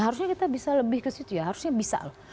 harusnya kita bisa lebih ke situ ya harusnya bisa loh